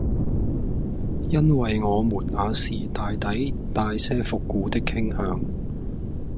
因爲我們那時大抵帶些復古的傾向，